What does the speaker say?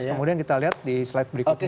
kemudian kita lihat di slide berikutnya